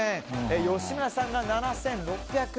吉村さんが７６００円。